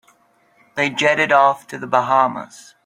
They jetted off to the Bahamas.